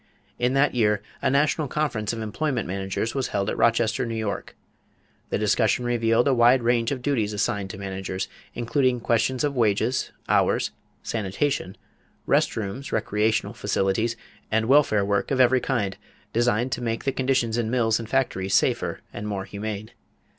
In that year a national conference of employment managers was held at Rochester, New York. The discussion revealed a wide range of duties assigned to managers, including questions of wages, hours, sanitation, rest rooms, recreational facilities, and welfare work of every kind designed to make the conditions in mills and factories safer and more humane.